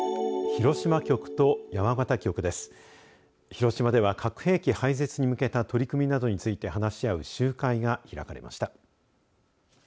広島では核兵器廃絶に向けた取り組みなどについて話し合う集会が開かれました。